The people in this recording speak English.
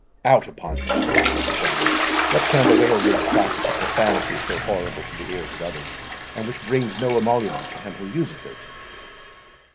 "Out upon thee," said the General; "what can it avail thee to practise a profanity so horrible to the ears of others, and which brings no emolument to him who uses it?"